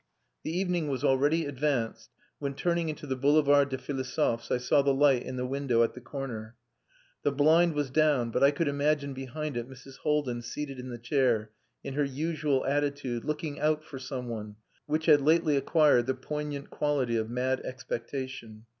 The evening was already advanced when, turning into the Boulevard des Philosophes, I saw the light in the window at the corner. The blind was down, but I could imagine behind it Mrs. Haldin seated in the chair, in her usual attitude, looking out for some one, which had lately acquired the poignant quality of mad expectation.